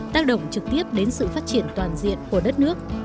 tác động trực tiếp đến sự phát triển toàn diện của đất nước